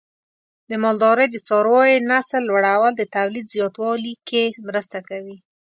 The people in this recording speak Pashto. د مالدارۍ د څارویو نسل لوړول د تولید زیاتوالي کې مرسته کوي.